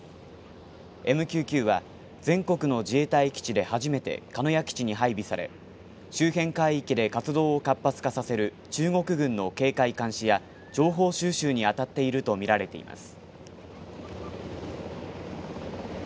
ＭＱ９は全国の自衛隊基地で初めて鹿屋基地に配備され周辺海域で活動を活発化させる中国軍の警戒監視や情報収集に当たっていると見られています。